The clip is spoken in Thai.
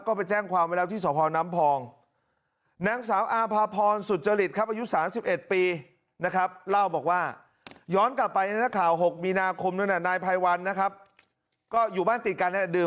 ก็ไปแจ้งความเวลาที่สวพาวน้ำพอง